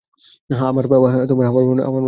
হ্যাঁ, আমার বাবা নৌ-সেনায় ছিল।